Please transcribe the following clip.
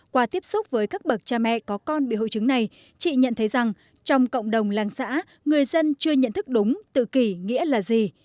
qua tiếp xúc với các bậc cha mẹ có con bị hội chứng này chị nhận thấy rằng trong cộng đồng làng xã người dân chưa nhận thức đúng tự kỷ nghĩa là gì